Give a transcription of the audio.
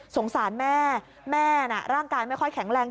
สารแม่แม่น่ะร่างกายไม่ค่อยแข็งแรง